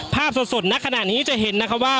ภาพสดณขณะนี้จะเห็นนะคะว่า